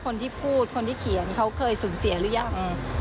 คนที่พูดคนที่เขียนเขาเคยสูญเสียหรือยัง